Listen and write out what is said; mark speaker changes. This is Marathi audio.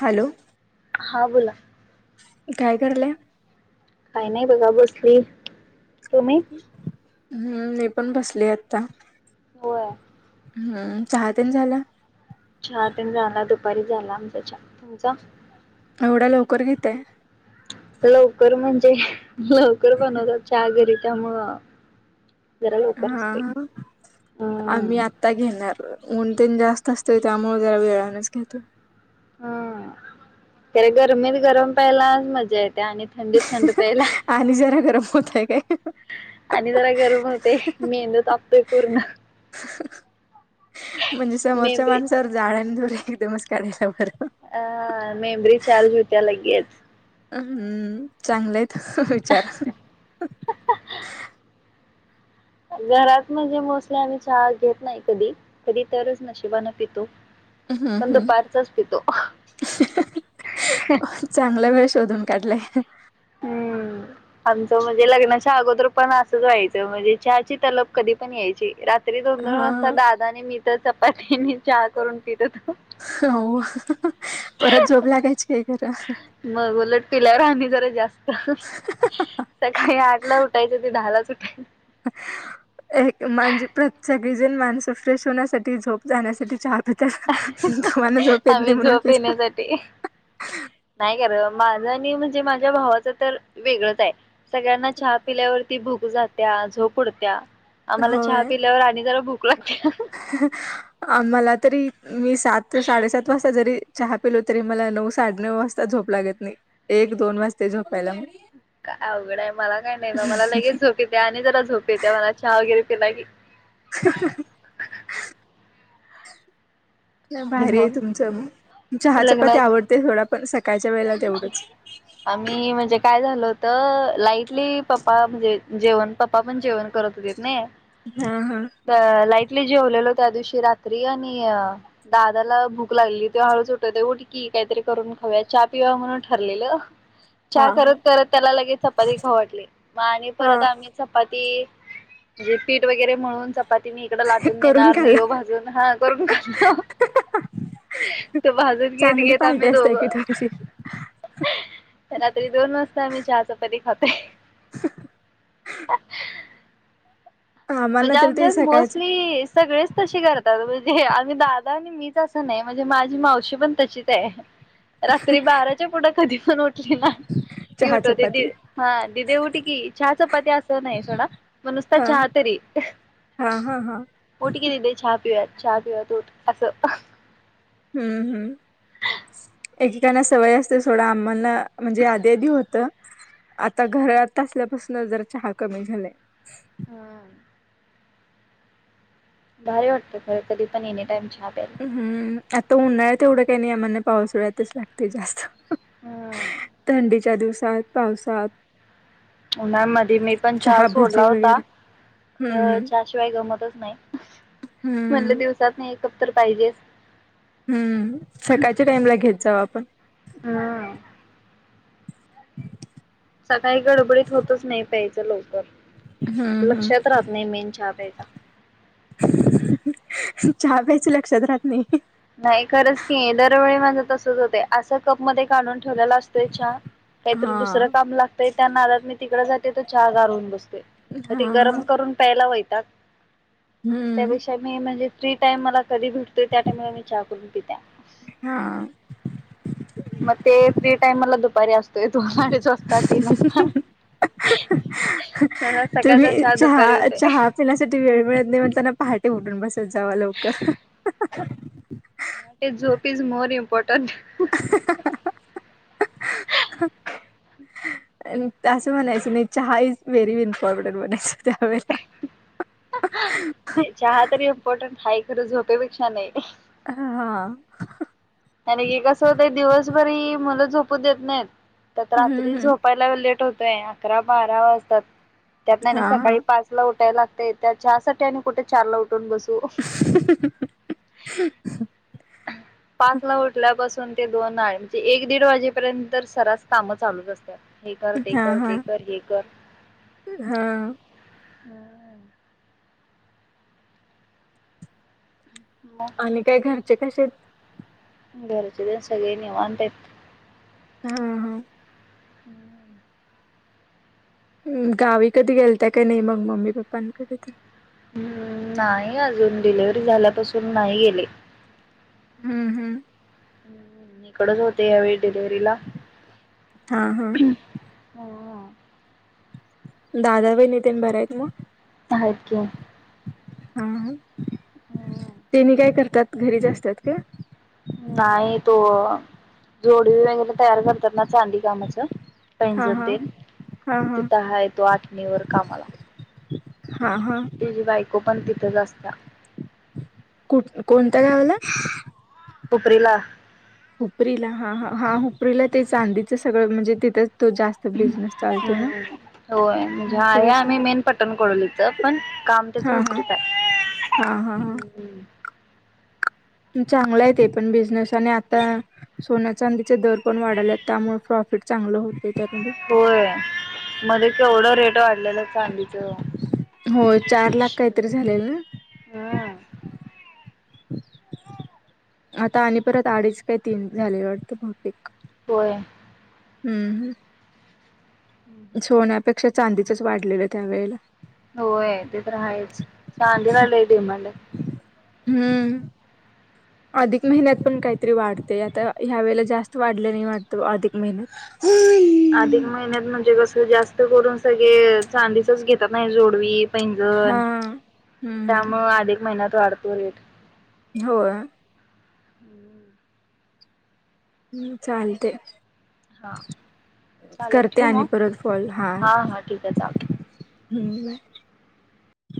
Speaker 1: हॅलो?
Speaker 2: हा, बोला?
Speaker 1: काय करलं?
Speaker 2: काही नाही, बघा बसलो तुम्ही?
Speaker 1: हम्म मी पण बसली, आता.
Speaker 2: होय.
Speaker 1: हम्म चहातेण झाला?
Speaker 2: च्या तेण झाला, दुपारी झाला आमचा च्या, तुमचा?
Speaker 1: एवढा लवकर घेताय?
Speaker 2: लवकर म्हणजे लवकर बनवतात च्या घरी त्यामुळ
Speaker 1: हा
Speaker 2: हम
Speaker 1: आम्ही आता घेणार. ऊन तेन जास्त असतय, त्यामुळे जरा वेळानच घेतो.
Speaker 2: हम, तरी गरमीत गरम प्यायला मजा येत आणि थंडीत थंड प्यायला.
Speaker 1: आणि जरा गरम होतय काय
Speaker 2: आणि जरा गरम होते मेंदू तापतोय पूर्ण.
Speaker 1: म्हणजे समोरच्या
Speaker 2: मेमरी
Speaker 1: माणसावर जाळ आणि धुर एकदमच काढायला बर.
Speaker 2: अ मेमरी चार्ज होत्या लगेच.
Speaker 1: हम्म चांगलंयत विचार.
Speaker 2: घरात म्हणजे मोस्टली आम्ही चहा घेत नाही कधी, कधी तरच नशिबानें पितो.
Speaker 1: हम्म.
Speaker 2: पण
Speaker 1: हम्.
Speaker 2: दुपारचाच पितो.
Speaker 1: चांगला भेष- शोधून काढलाय.
Speaker 2: हम्म. आमचं म्हणजे लग्नाच्या अगोदर पण असंच व्हायचं, म्हणजे चहाची तलब कधी पण यायची, रा री दोन दोन वाजता
Speaker 1: हा
Speaker 2: दादा आणि मी तर चपातीने चहा करून पित होतो.
Speaker 1: हो परत झोप लागायची काय खरं.
Speaker 2: मग उलट पिल्यावर आणि जरा जास्त सकाळी आठ ला उठायचं ते दहालाच उठायचं.
Speaker 1: [inaudible] एक म्हणजे प्रत सगळीजण माणस फ्रेश होण्यासाठी झोप जाण्यासाठी चहा तुम्हाला झोप येत नाही
Speaker 2: आम्ही
Speaker 1: म्हणून
Speaker 2: झोप
Speaker 1: पिता
Speaker 2: येण्यासाठी माझा आणि म्हणजे माझ्या भावाच तर वेगळंच आहे सगळ्यांना चहा पिल्यावरती भूक जात्या झोप उडत्या आम्हाला चहा
Speaker 1: होय
Speaker 2: पिल्यावर आणि जरा भूक लागत्या
Speaker 1: मला तरी मी सात साडेसात वाजता जरी चहा पेलो तरी मला नऊ साडे नऊ वाजता झोप झोप लागत नाही एक दोन वाजतय झोपायला म
Speaker 2: काय अवघडंय मला काय नाही म मला लगेच झोप येते आणि जरा झोप येते मला चहा वगैरे [inaudible]
Speaker 1: [inaudible] भारी
Speaker 2: हॅलो
Speaker 1: आहे तुमचं मत चहा चपाती
Speaker 2: लग्नात
Speaker 1: आवडते सोडा पण स
Speaker 2: आम्ही म्हणजे काय झालो होत तर लाईटली पप्पा म्हणजे जेवण पप्पा पण जेवण करत होते नई
Speaker 1: हा हा
Speaker 2: तर लाईट ली जेवलेलो त्या दिवशी रात्री आणि दादाला भूक लागली तो हळूच उटवतोय उटकी काहीतरी करून खाऊया चहा पिऊया म्हणून ठरलेलं
Speaker 1: हा
Speaker 2: चहा
Speaker 1: हा
Speaker 2: करत करत त्याला लगेच चपाती खाऊ वाटली मग आणि परत
Speaker 1: हा
Speaker 2: आम्ही चपाती म्हणे पीठ वगैरे मळून चप पाती मी इकडं लाटून
Speaker 1: करून
Speaker 2: देणार मग
Speaker 1: खाल्ला
Speaker 2: ह्यो भाजून हा करून खाल्लो तो भाजून घेत
Speaker 1: चांगली
Speaker 2: घेत
Speaker 1: पार्टी
Speaker 2: आम्ही
Speaker 1: असते की
Speaker 2: दोघं
Speaker 1: तुमची
Speaker 2: रात्री दोन वाजता आम्ही चहा चपाती खातोय
Speaker 1: [inaudible] आम्हाला
Speaker 2: म्हणजे
Speaker 1: तर ते
Speaker 2: आमच्यात
Speaker 1: सकाळच
Speaker 2: मोस्टली सगळेच तसे करतात म्हजे आणि दादा आणि मीच असं नाही म्हणजे माझी मावशी पण तशीच आहे. रात्री बाराच्या पुढं कधी पण उठली ना ती
Speaker 1: चहा
Speaker 2: उठवत्याती
Speaker 1: चपाती
Speaker 2: हा दिदे उठ की चहा चपाती असं नाही सोडा पण नुसता
Speaker 1: हा
Speaker 2: चहा उट
Speaker 1: हा हा हा
Speaker 2: कि दिदे चहा पिऊयात चहा किंवा दुधं अस
Speaker 1: हम्म हम्म एकेकांना सवय असते. थोडं आम्हांला म्हणजे आधी आधी होत आता घरात असल्यापासन जरा चहा कमी झालाय.
Speaker 2: [inaudible] भारी वाटते खरं कधी पण एनी टाइम चहा प्यायला.
Speaker 1: हम्म आता उन्हाळ्यात येवढं काही नाही आम्हांना पावसळ्यातच लागते जास्त
Speaker 2: हम्म
Speaker 1: थंडीच्या दिवसात पावसात.
Speaker 2: उन्हामध्ये मी पण चहा
Speaker 1: भजी
Speaker 2: सोडला होता
Speaker 1: वगैरे हम्म
Speaker 2: चहाशिवाय गमतच नाही. म्हणटलं
Speaker 1: हम्म
Speaker 2: दिवसात एक कप तर पाहिजेच.
Speaker 1: हम्म सकाळच्या टाइमला घेत जावा पण
Speaker 2: हम्म.
Speaker 1: [inaudible]
Speaker 2: सकाळी गडबडीत होतच नाही प्यायचं लवकर
Speaker 1: हम्म हम्म
Speaker 2: लक्षात राहत नाही मेन चहा प्यायच.
Speaker 1: चहा प्यायच लक्षात राहत नाही.
Speaker 2: नाही खरंच की दरवेळी माझं तसच होते असं कप मध्ये काढून ठेवलेला असतोय चहा काहीतर दुसरं
Speaker 1: हा
Speaker 2: काम लागतंय त्या नादात मी तिकड जाते तर चहा गारून बसतेय मग ते गरम
Speaker 1: हा
Speaker 2: करून प्यायला वैताग येतोय.
Speaker 1: हम्म
Speaker 2: त्यापेक्षा मी म्हणजे फ्री टाइम मला कधी भेटतोय त्या टाइमला मी चहा करून पित्या
Speaker 1: हा..
Speaker 2: मग ते फ्री टाइम मला दुपारी असतोय दोन साडेच वाजता तीन वाजता.. मला सकाळचा
Speaker 1: तुम्ही
Speaker 2: दुपारी
Speaker 1: चहा
Speaker 2: होतोय.
Speaker 1: चहा पिण्यासाठी वेळ मिळत नाही. म्हणताना पहाटे उठून बस... सजावा लवकर...
Speaker 2: म झोप इज मोर इमपॉर्टंट...
Speaker 1: असं म्हणायचं नाही चहा इज व्हेरी इम्पॉर्टंट म्हनायचं त्यावेळे...
Speaker 2: नाही. चहा तरी इम्पॉर्टंट हाय खरं झोपेपेक्षा नाही.
Speaker 1: हा...
Speaker 2: आणि की कसं होतय दिवसभरी मुलं झोपू देत नाहीत. तर
Speaker 1: हम्म
Speaker 2: रात्री
Speaker 1: हम्म
Speaker 2: झोपायला लेट होतोय अकरा बारा वाजतात. त्यातना आणि
Speaker 1: हा हा
Speaker 2: सकाळी पाच ला उठायला लागते त्या चहासाठी आणि कुठे चार ला उठ.. उन बसू पाच ला उठलं. ते दोन म्हणजे एक दीड वाजेपर्यंत सरास कामं चालूच असतात. हे कर ते
Speaker 1: हा
Speaker 2: कर
Speaker 1: हा
Speaker 2: ते कर हे कर
Speaker 1: हा
Speaker 2: हम. मग
Speaker 1: आणि काय घरचे कसेत.
Speaker 2: घरचे तर सगळे निवांत आहेत.
Speaker 1: हा हा.
Speaker 2: हम्म.
Speaker 1: हम् गावी कधी गेलता का नाही मग मम्मी पप्पांकडे तेन.
Speaker 2: हम् नाही अजून डिलिव्हरी झाल्यापासून नाही गेले.
Speaker 1: हम्म हम्म.
Speaker 2: इकडच होते यावेळी. डिलिवरीला..
Speaker 1: हा हा दादा वहिनी तेन बर आहेत ना.
Speaker 2: हायत कि.
Speaker 1: हा तेनी काय करतात घरीच जा असतात का.
Speaker 2: नाही तो जोडवी वगैरे तयार करतात ना चांदी कामाच...
Speaker 1: हा
Speaker 2: पैजणन
Speaker 1: हा
Speaker 2: तेन तिथ हा येतो आठणीवर कामाला...
Speaker 1: हा हा
Speaker 2: तेजे बायको पण तिथंच असत्या.
Speaker 1: कुठ कोणत्या गावाला.
Speaker 2: हुपरीला.
Speaker 1: हुपरीला हा हा हूपरीला ते चांदीचं सगळं म्हणजे तिथं...
Speaker 2: ह् होय म्हणजे आहे
Speaker 1: हुपरीचा
Speaker 2: आम्ही मेन पटण कोडोलीच पण.. काम त्याच
Speaker 1: हा हा
Speaker 2: हुपरीत हाय.
Speaker 1: हा हा हा. चांगला आहे ते पण बिझनेस आणि आता सोन्या चांदीचे दर पण वाढले आहेत त्यामुळे प्रॉ फिट चांगलं होईल
Speaker 2: होय मध्ये केवढं रेट वाढलेलं चांदीच....
Speaker 1: हो चार लाख काहीतरी झालेल ना.
Speaker 2: हम्म
Speaker 1: आता आणि परत आडीच काय तीन झाले वाटत भाऊतेक.
Speaker 2: होय.
Speaker 1: हम्म हम्.
Speaker 2: हम् हम्.
Speaker 1: पेक्षा चांदीच वाढलेलं त्यावेेळेला.
Speaker 2: होय ते तर राहायच चांदिला लय डिमांड...
Speaker 1: हम्. अधिक महिन्यात पण काहीतरी वाढते आता ह्या वेळेला जास्त वाढले नाही वाटत अधिक महिन्यात... होय..
Speaker 2: अधिक महिन्यात म्हणजे कस जास्त करून सगळे चांदीचच घेतात नाही जोडवी... पैंजण
Speaker 1: हा हम्म
Speaker 2: त्यामुळ अधिक महिन्यात वाढतो रेट.
Speaker 1: हो.
Speaker 2: हम्म.
Speaker 1: हम् चालते.
Speaker 2: हा. चालेल
Speaker 1: करते
Speaker 2: ठेवू
Speaker 1: आणि
Speaker 2: मग
Speaker 1: परत कॉल हा्
Speaker 2: हा हा ठीक आहे चालतंय.
Speaker 1: हूं बाय